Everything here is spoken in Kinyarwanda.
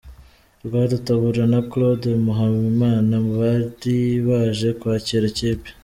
Rwarutabura na Claude muhawenimana bari baje kwakira ikipe.